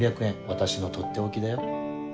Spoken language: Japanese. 私のとっておきだよ。